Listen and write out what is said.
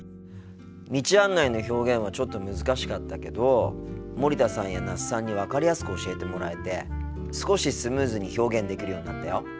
道案内の表現はちょっと難しかったけど森田さんや那須さんに分かりやすく教えてもらえて少しスムーズに表現できるようになったよ。